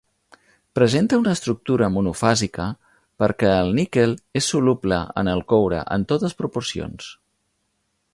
Presenta una estructura monofàsica perquè el níquel és soluble en el coure en totes proporcions.